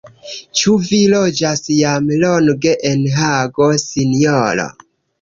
Ĉu vi loĝas jam longe en Hago, sinjoro?